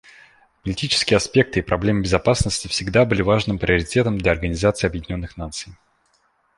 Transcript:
Политические аспекты и проблемы безопасности всегда были важным приоритетом для Организации Объединенных Наций.